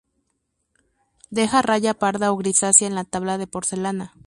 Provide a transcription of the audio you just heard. Deja raya parda o grisácea en la tabla de porcelana.